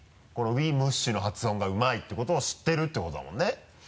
この「ウィムッシュ」の発音がうまいってことを知ってるっていうことだもんね。